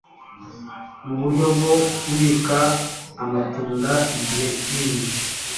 Mu buryo bwo kubika amatunda igihe kinini